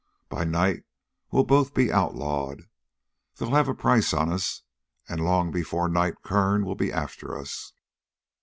By night we'll both be outlawed. They'll have a price on us, and long before night, Kern will be after us.